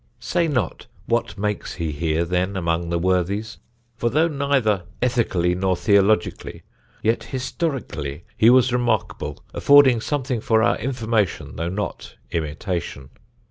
"Say not, what makes he here then amongst the worthies? For though neither Ethically nor Theologically, yet Historically he was remarkable, affording something for our Information though not Imitation.